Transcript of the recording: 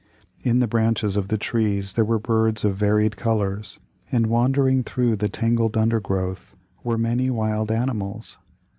In the branches of the trees there were birds of varied colors, and wandering through the tangled undergrowth were many wild animals.